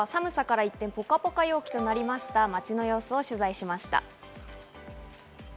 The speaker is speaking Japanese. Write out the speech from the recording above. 昨日も東京では寒さから一転、ポカポカ陽気となりました、街の様子を取材しました。